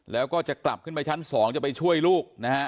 แล้วก็จะกลับขึ้นไปชั้น๒จะไปช่วยลูกนะฮะ